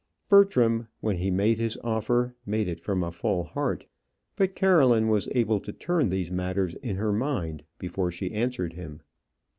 Bertram, when he made his offer, made it from a full heart; but Caroline was able to turn these matters in her mind before she answered him.